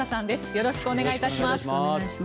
よろしくお願いします。